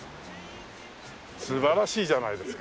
素晴らしいじゃないですか。